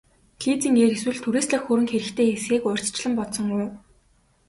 Лизингээр эсвэл түрээслэх хөрөнгө хэрэгтэй эсэхийг урьдчилан бодсон уу?